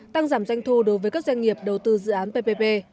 tăng giảm doanh thu đối với các doanh nghiệp đầu tư dự án ppp